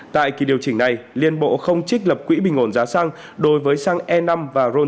tại kỳ điều chỉnh này liên bộ không trích lập quỹ bình ổn giá xăng đối với xăng e năm và ron chín mươi năm